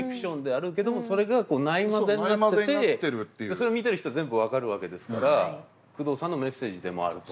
それを見てる人全部分かるわけですから宮藤さんのメッセージでもあると。